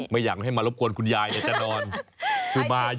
เข้าบ้านอย่างนี้หรอ